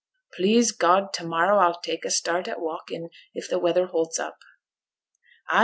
Please God, to morrow a'll tak' a start at walking, if t' weather holds up.' 'Ay!'